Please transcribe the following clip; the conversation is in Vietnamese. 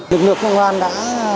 lực lượng công an đã